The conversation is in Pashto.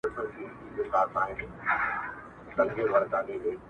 بې له سُره چي پر هر مقام ږغېږي,